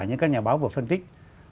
những các nhà báo vừa phân tích